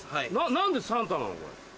何でサンタなの？